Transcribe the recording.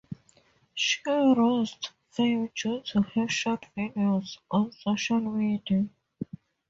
She rose to fame due to her short videos on social media.